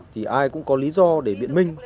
thì ai cũng có lý do để biện minh